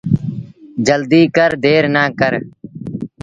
جلديٚ ڪر دير نا ڪر۔